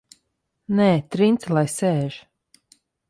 Nē, Trince lai sēž!